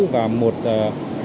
và một chốt ở thôn bạch chữ